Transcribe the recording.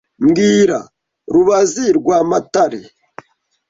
Mbwira Rubazi rwa matare